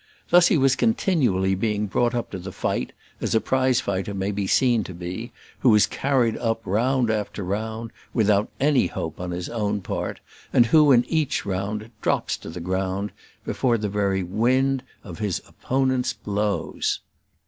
Thus he was continually being brought up to the fight, as a prize fighter may be seen to be, who is carried up round after round, without any hope on his own part, and who, in each round, drops to the ground before the very wind of his opponent's blows.